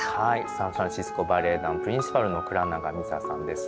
サンフランシスコ・バレエ団プリンシパルの倉永美沙さんですね。